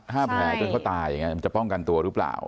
แผลจนเขาตายอย่างเงี้มันจะป้องกันตัวหรือเปล่า